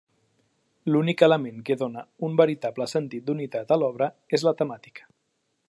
L'únic element que dóna un veritable sentit d'unitat a l'obra és la temàtica.